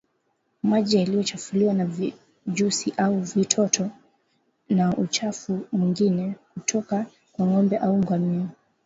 maji yaliyochafuliwa na vijusi au vitoto na uchafu mwingine kutoka kwa ng'ombe au ngamia